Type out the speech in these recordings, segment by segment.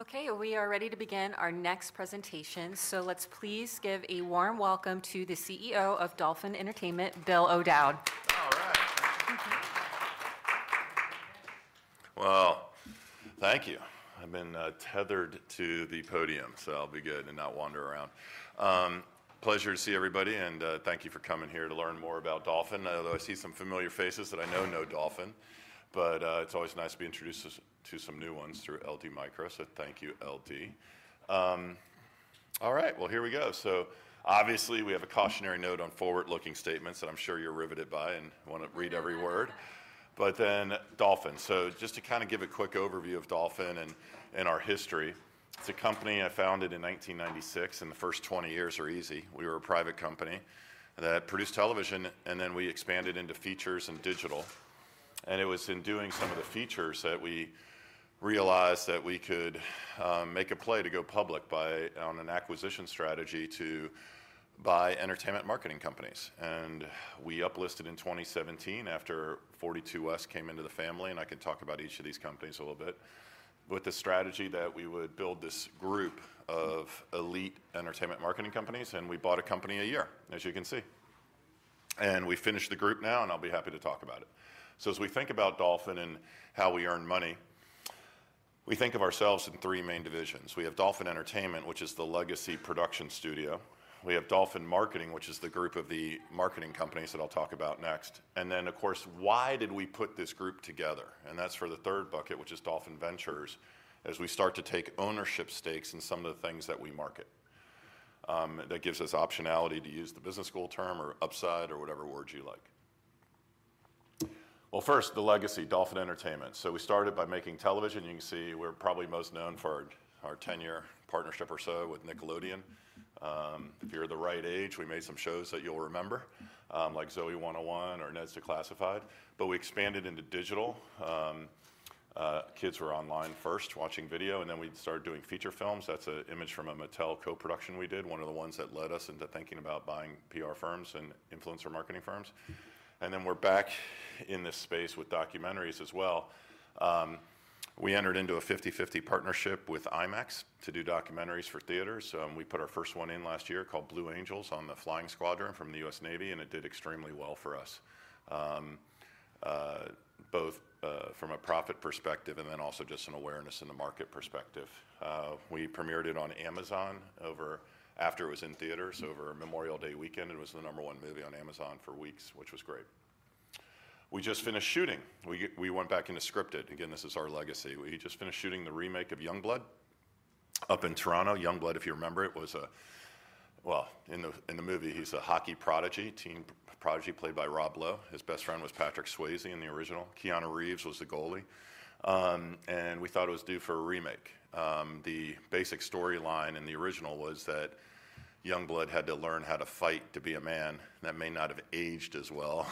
Okay, we are ready to begin our next presentation. Let's please give a warm welcome to the CEO of Dolphin Entertainment, Bill O'Dowd. All right. Thank you. I've been tethered to the podium, so I'll be good and not wander around. Pleasure to see everybody, and thank you for coming here to learn more about Dolphin. Although I see some familiar faces that I know know Dolphin, it's always nice to be introduced to some new ones through LD Micro, so thank you, LD. All right, here we go. Obviously we have a cautionary note on forward-looking statements that I'm sure you're riveted by and want to read every word. Then Dolphin. Just to kind of give a quick overview of Dolphin and our history, it's a company I founded in 1996, and the first 20 years are easy. We were a private company that produced television, and then we expanded into features and digital. It was in doing some of the features that we realized that we could make a play to go public by an acquisition strategy to buy entertainment marketing companies. We uplisted in 2017 after 42West came into the family, and I can talk about each of these companies a little bit, with the strategy that we would build this group of elite entertainment marketing companies, and we bought a company a year, as you can see. We finished the group now, and I'll be happy to talk about it. As we think about Dolphin and how we earn money, we think of ourselves in three main divisions. We have Dolphin Entertainment, which is the legacy production studio. We have Dolphin Marketing, which is the group of the marketing companies that I'll talk about next. Of course, why did we put this group together? That is for the third bucket, which is Dolphin Ventures, as we start to take ownership stakes in some of the things that we market. That gives us optionality, to use the business school term or upside or whatever word you like. First, the legacy, Dolphin Entertainment. We started by making television. You can see we're probably most known for our ten-year partnership or so with Nickelodeon. If you're the right age, we made some shows that you'll remember, like Zoey 101 or Ned's Declassified. We expanded into digital. Kids were online first, watching video, and then we started doing feature films. That is an image from a Mattel co-production we did, one of the ones that led us into thinking about buying PR firms and influencer marketing firms. We are back in this space with documentaries as well. We entered into a 50/50 partnership with IMAX to do documentaries for theaters. We put our first one in last year called Blue Angels on the Flying Squadron from the US Navy, and it did extremely well for us, both from a profit perspective and then also just an awareness in the market perspective. We premiered it on Amazon after it was in theaters, over Memorial Day weekend. It was the number one movie on Amazon for weeks, which was great. We just finished shooting. We went back into scripted. Again, this is our legacy. We just finished shooting the remake of Youngblood up in Toronto. Youngblood, if you remember it, was a, well, in the movie, he's a hockey prodigy, teen prodigy played by Rob Lowe. His best friend was Patrick Swayze in the original. Keanu Reeves was the goalie. We thought it was due for a remake. The basic storyline in the original was that Youngblood had to learn how to fight to be a man. That may not have aged as well.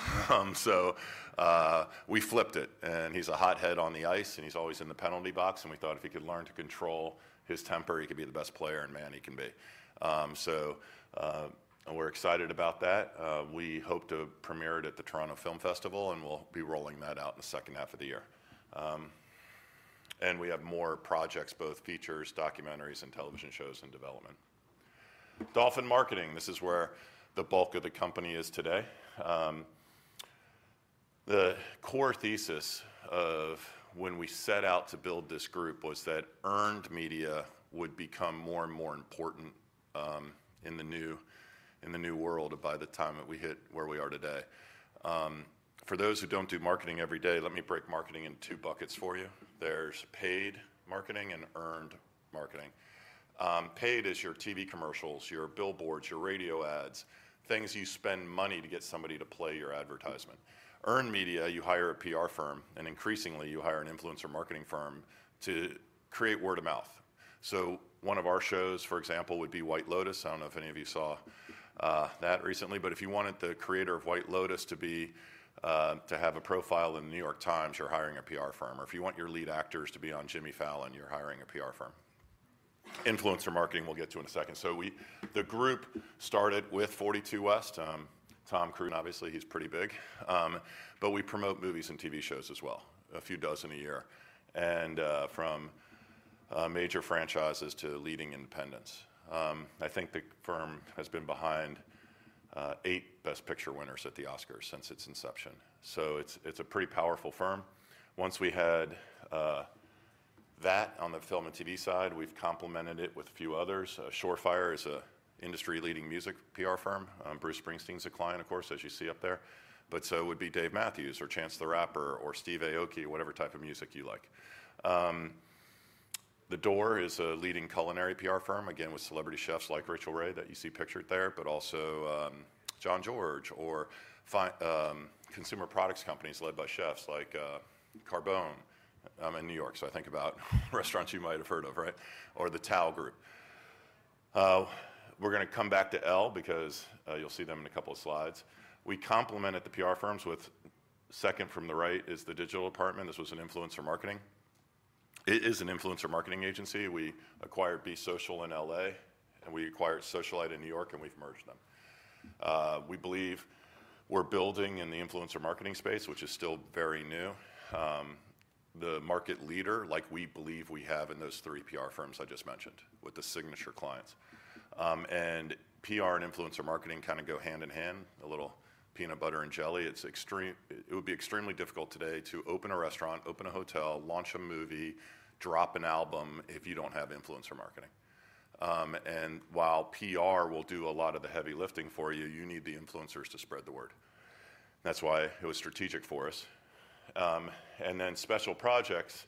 We flipped it, and he's a hothead on the ice, and he's always in the penalty box. We thought if he could learn to control his temper, he could be the best player and man he can be. We are excited about that. We hope to premiere it at the Toronto Film Festival, and we will be rolling that out in the second half of the year. We have more projects, both features, documentaries, and television shows in development. Dolphin Marketing, this is where the bulk of the company is today. The core thesis of when we set out to build this group was that earned media would become more and more important in the new world by the time that we hit where we are today. For those who don't do marketing every day, let me break marketing into two buckets for you. There's paid marketing and earned marketing. Paid is your TV commercials, your billboards, your radio ads, things you spend money to get somebody to play your advertisement. Earned media, you hire a PR firm, and increasingly you hire an influencer marketing firm to create word of mouth. One of our shows, for example, would be White Lotus. I don't know if any of you saw that recently, but if you wanted the creator of White Lotus to have a profile in The New York Times, you're hiring a PR firm. If you want your lead actors to be on Jimmy Fallon, you're hiring a PR firm. Influencer marketing, we'll get to in a second. The group started with 42West. Tom Cruise, obviously, he's pretty big. We promote movies and TV shows as well, a few dozen a year, and from major franchises to leading independents. I think the firm has been behind eight Best Picture winners at the Oscars since its inception. It is a pretty powerful firm. Once we had that on the film and TV side, we've complemented it with a few others. Shore Fire is an industry-leading music PR firm. Bruce Springsteen's a client, of course, as you see up there. So would be Dave Matthews or Chance the Rapper or Steve Aoki, whatever type of music you like. The Door is a leading culinary PR firm, again, with celebrity chefs like Rachael Ray that you see pictured there, but also Jean-Georges or consumer products companies led by chefs like Carbone in New York. I think about restaurants you might have heard of, right? Or the Tao Group. We're going to come back to Elle because you'll see them in a couple of slides. We complemented the PR firms with, second from the right is the digital department. This was an influencer marketing. It is an influencer marketing agency. We acquired Be Social in Los Angeles, and we acquired Socialyte in New York, and we've merged them. We believe we're building in the influencer marketing space, which is still very new, the market leader like we believe we have in those three PR firms I just mentioned with the signature clients. PR and influencer marketing kind of go hand in hand, a little peanut butter and jelly. It would be extremely difficult today to open a restaurant, open a hotel, launch a movie, drop an album if you don't have influencer marketing. While PR will do a lot of the heavy lifting for you, you need the influencers to spread the word. That's why it was strategic for us. Special Projects,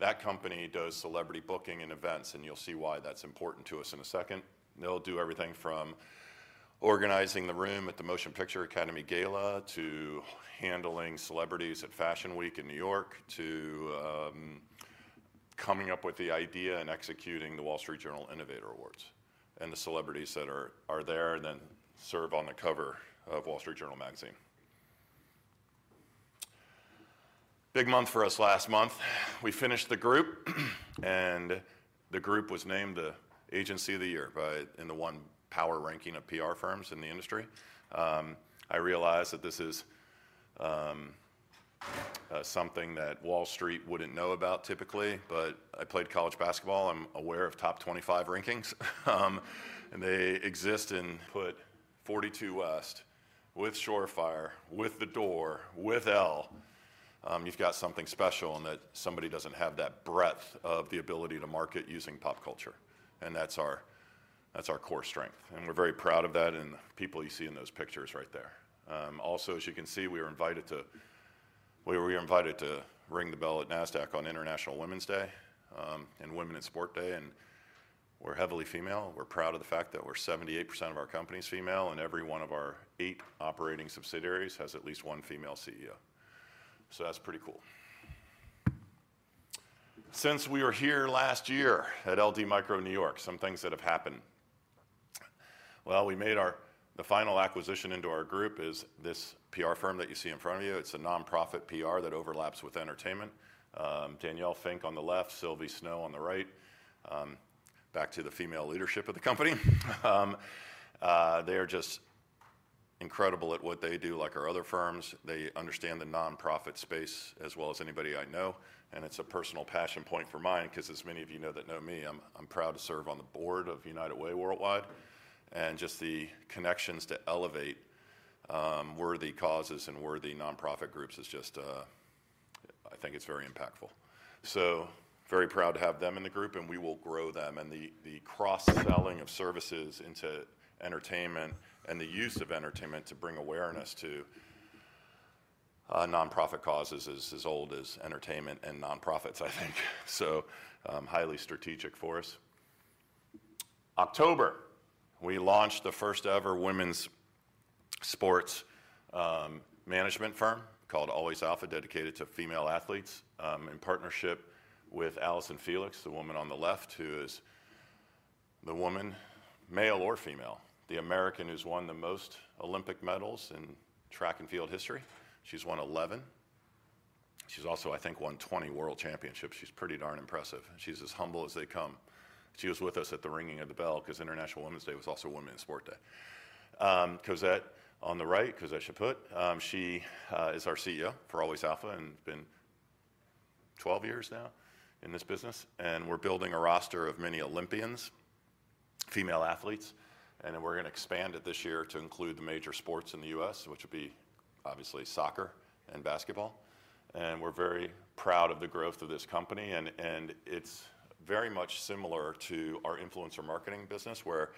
that company does celebrity booking and events, and you'll see why that's important to us in a second. They'll do everything from organizing the room at the Motion Picture Academy Gala to handling celebrities at Fashion Week in New York to coming up with the idea and executing the Wall Street Journal Innovator Awards and the celebrities that are there and then serve on the cover of Wall Street Journal Magazine. Big month for us last month. We finished the group, and the group was named the Agency of the Year in the one power ranking of PR firms in the industry. I realized that this is something that Wall Street wouldn't know about typically, but I played college basketball. I'm aware of top 25 rankings, and they exist in. Put 42West, with Shore Fire, with The Door, with Elle, you've got something special in that somebody doesn't have that breadth of the ability to market using pop culture. That's our core strength. We're very proud of that in the people you see in those pictures right there. Also, as you can see, we were invited to ring the bell at NASDAQ on International Women's Day and Women in Sport Day, and we're heavily female. We're proud of the fact that 78% of our company is female, and every one of our eight operating subsidiaries has at least one female CEO. That's pretty cool. Since we were here last year at LD Micro New York, some things that have happened. We made our final acquisition into our group is this PR firm that you see in front of you. It's a nonprofit PR that overlaps with entertainment. Danielle Fink on the left, Silvie Snow on the right. Back to the female leadership of the company. They are just incredible at what they do, like our other firms. They understand the nonprofit space as well as anybody I know. It's a personal passion point for mine because, as many of you know that know me, I'm proud to serve on the board of United Way Worldwide. Just the connections to Elevate, worthy causes and worthy nonprofit groups is just, I think it's very impactful. Very proud to have them in the group, and we will grow them. The cross-selling of services into entertainment and the use of entertainment to bring awareness to nonprofit causes is as old as entertainment and nonprofits, I think. Highly strategic for us. October, we launched the first-ever women's sports management firm called Always Alpha, dedicated to female athletes in partnership with Allyson Felix, the woman on the left, who is the woman, male or female, the American who's won the most Olympic medals in track and field history. She's won 11. She's also, I think, won 20 world championships. She's pretty darn impressive. She's as humble as they come. She was with us at the ringing of the bell because International Women's Day was also Women in Sport Day. Cosette on the right, Cosette Chaput, she is our CEO for Always Alpha and has been 12 years now in this business. We are building a roster of many Olympians, female athletes, and we are going to expand it this year to include the major sports in the U.S., which would be obviously soccer and basketball. We are very proud of the growth of this company. It is very much similar to our influencer marketing business, where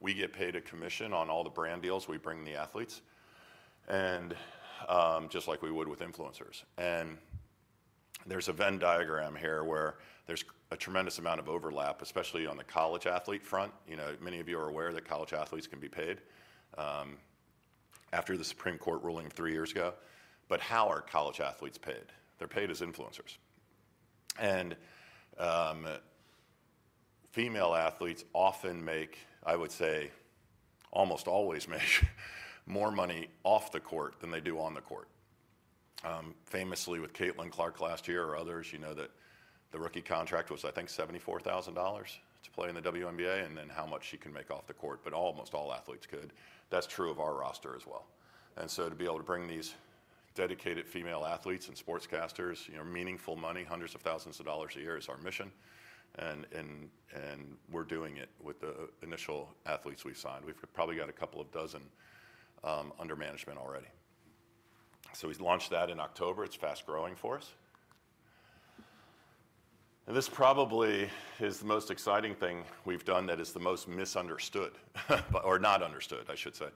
we get paid a commission on all the brand deals we bring the athletes, just like we would with influencers. There is a Venn diagram here where there is a tremendous amount of overlap, especially on the college athlete front. Many of you are aware that college athletes can be paid after the Supreme Court ruling three years ago. How are college athletes paid? They're paid as influencers. Female athletes often make, I would say, almost always make more money off the court than they do on the court. Famously, with Caitlin Clark last year or others, you know that the rookie contract was, I think, $74,000 to play in the WNBA and then how much she can make off the court. Almost all athletes could. That's true of our roster as well. To be able to bring these dedicated female athletes and sportscasters meaningful money, hundreds of thousands of dollars a year is our mission. We're doing it with the initial athletes we've signed. We've probably got a couple of dozen under management already. We launched that in October. It's fast growing for us. This probably is the most exciting thing we've done that is the most misunderstood or not understood, I should say,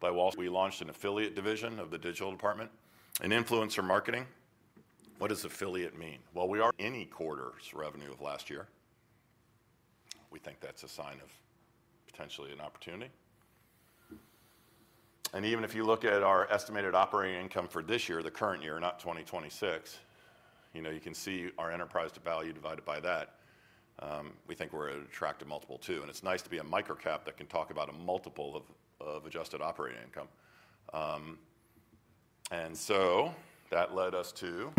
by Wall. We launched an affiliate division of the digital department, an influencer marketing. What does affiliate mean? Any quarter's revenue of last year. We think that's a sign of potentially an opportunity. Even if you look at our estimated operating income for this year, the current year, not 2026, you can see our enterprise to value divided by that. We think we're at an attractive multiple too. It's nice to be a microcap that can talk about a multiple of adjusted operating income. That led us to,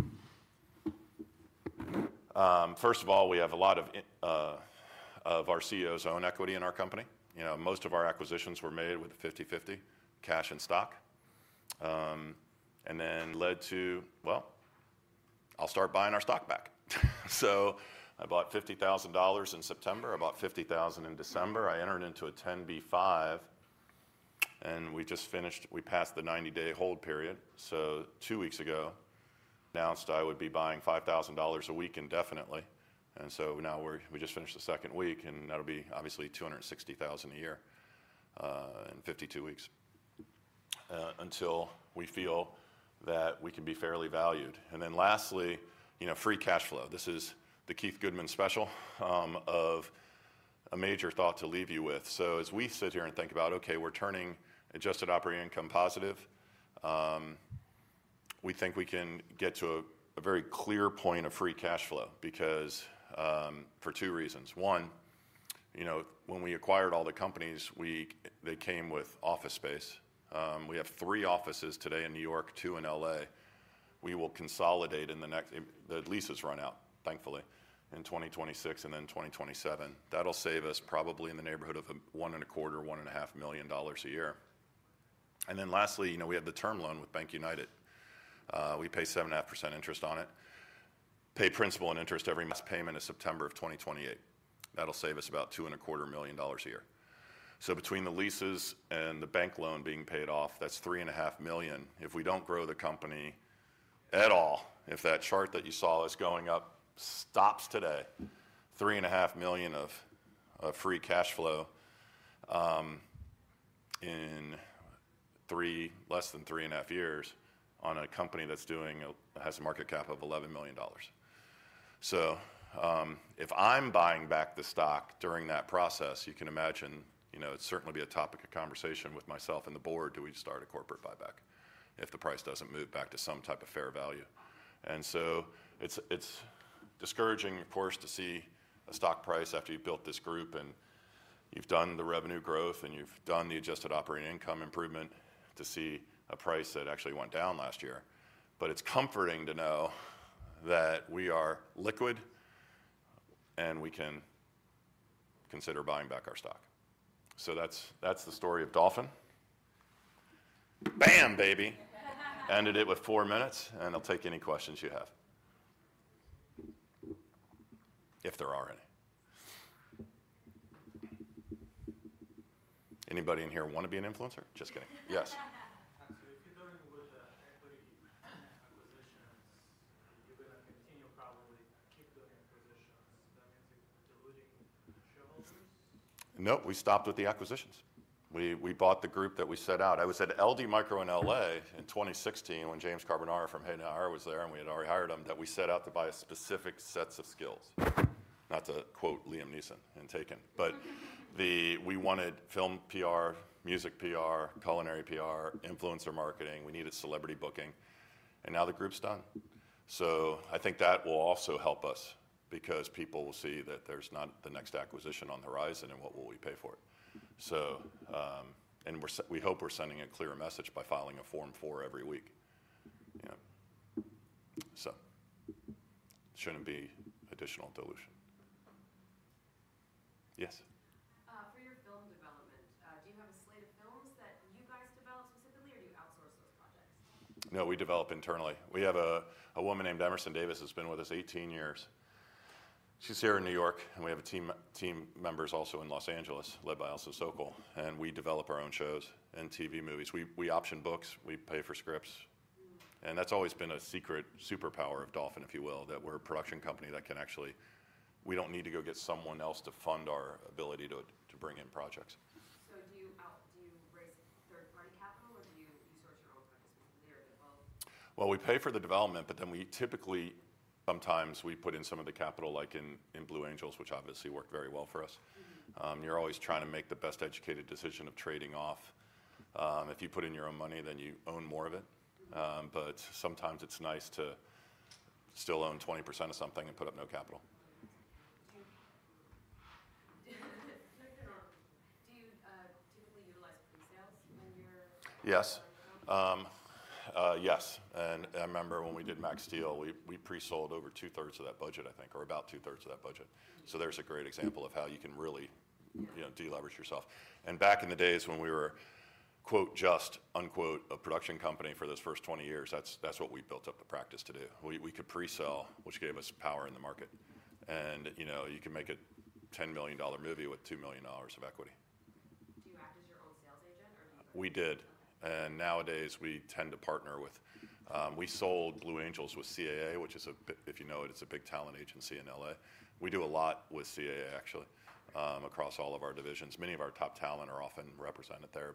first of all, we have a lot of our CEOs' own equity in our company. Most of our acquisitions were made with a 50/50 cash and stock. That led to, well, I'll start buying our stock back. I bought $50,000 in September. I bought $50,000 in December. I entered into a 10b5, and we just finished. We passed the 90-day hold period. Two weeks ago, announced I would be buying $5,000 a week indefinitely. Now we just finished the second week, and that will be obviously $260,000 a year in 52 weeks until we feel that we can be fairly valued. Lastly, free cash flow. This is the Keith Goodman special of a major thought to leave you with. As we sit here and think about, okay, we're turning adjusted operating income positive, we think we can get to a very clear point of free cash flow because for two reasons. One, when we acquired all the companies, they came with office space. We have three offices today in New York, two in LA. We will consolidate in the next the leases run out, thankfully, in 2026 and then 2027. That'll save us probably in the neighborhood of $1.250 million or $1.5 million a year. Lastly, we have the term loan with BankUnited. We pay 7.5% interest on it, pay principal and interest every month. Last payment is September of 2028. That'll save us about $2.25 million a year. Between the leases and the bank loan being paid off, that's $3.5 million. If we don't grow the company at all, if that chart that you saw us going up stops today, $3.5 million of free cash flow in less than three and a half years on a company that has a market cap of $11 million. If I'm buying back the stock during that process, you can imagine it'd certainly be a topic of conversation with myself and the board: do we start a corporate buyback if the price doesn't move back to some type of fair value? It is discouraging, of course, to see a stock price after you've built this group and you've done the revenue growth and you've done the adjusted operating income improvement to see a price that actually went down last year. It is comforting to know that we are liquid and we can consider buying back our stock. That's the story of Dolphin. Bam, baby. Ended it with four minutes, and I'll take any questions you have, if there are any. Anybody in here want to be an influencer? Just kidding. Yes. If you're doing with equity acquisitions, you're going to continue probably to keep doing acquisitions. That means you're diluting shareholders? Nope. We stopped with the acquisitions. We bought the group that we set out. I was at LD Micro in Los Angeles in 2016 when James Carbonara from Hayden [Hey Now Hire] was there, and we had already hired him that we set out to buy specific sets of skills. Not to quote Liam Neeson in Taken. We wanted film PR, music PR, culinary PR, influencer marketing. We needed celebrity booking. Now the group's done. I think that will also help us because people will see that there's not the next acquisition on the horizon and what will we pay for it. We hope we're sending a clearer message by filing a Form 4 every week. It shouldn't be additional dilution. Yes. For your film development, do you have a slate of films that you guys develop specifically, or do you outsource those projects? No, we develop internally. We have a woman named Emerson Davis who's been with us 18 years. She's here in New York, and we have team members also in Los Angeles led by Allison Sokol. We develop our own shows and TV movies. We option books. We pay for scripts. That's always been a secret superpower of Dolphin, if you will, that we're a production company that can actually we don't need to go get someone else to fund our ability to bring in projects. Do you raise third-party capital, or do you source your own participation there? They're both? We pay for the development, but then we typically. Sometimes we put in some of the capital, like in Blue Angels, which obviously worked very well for us. You're always trying to make the best educated decision of trading off. If you put in your own money, then you own more of it. Sometimes it's nice to still own 20% of something and put up no capital. Do you typically utilize presales when you're? Yes. Yes. I remember when we did Max Steel, we presold over 2/3 of that budget, I think, or about 2/3 of that budget. There's a great example of how you can really deleverage yourself. Back in the days when we were "just" a production company for those first 20 years, that's what we built up the practice to do. We could presell, which gave us power in the market. You can make a $10 million movie with $2 million of equity. Do you act as your own sales agent, or do you? We did. Nowadays, we tend to partner with—we sold Blue Angels with CAA, which is a, if you know it, it's a big talent agency in Los Angeles. We do a lot with CAA, actually, across all of our divisions. Many of our top talent are often represented there.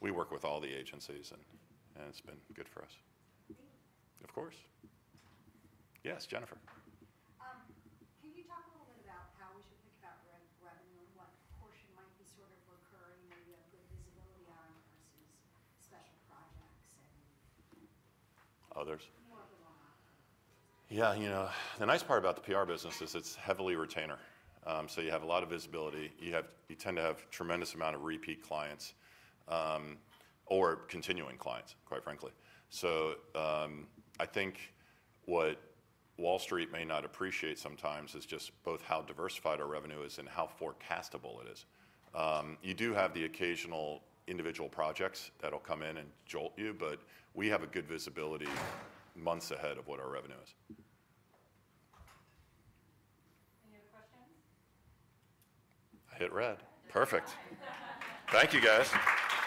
We work with all the agencies, and it's been good for us. Of course. Yes, Jennifer. Can you talk a little bit about how we should think about revenue and what portion might be sort of recurring, maybe have good visibility on versus Special Projects? Others. More of the long-haul kind of. Yeah. The nice part about the PR business is it's heavily retainer. You have a lot of visibility. You tend to have a tremendous amount of repeat clients or continuing clients, quite frankly. I think what Wall Street may not appreciate sometimes is just both how diversified our revenue is and how forecastable it is. You do have the occasional individual projects that'll come in and jolt you, but we have a good visibility months ahead of what our revenue is. Any other questions? I hit red. Perfect. Thank you, guys.